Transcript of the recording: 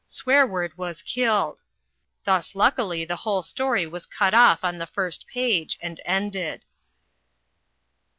Swearword was killed. Thus luckily the whole story was cut off on the first page and ended.